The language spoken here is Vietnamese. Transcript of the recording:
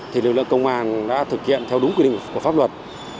thì lực lượng công an đã thực hiện theo đúng quy định của pháp luật